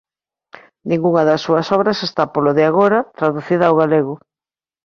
Ningunha das súas obras está polo de agora traducida ao galego.